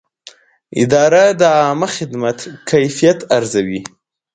اداره د عامه خدمت کیفیت ارزوي.